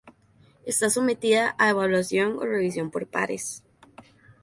Está sometida a evaluación o revisión por pares.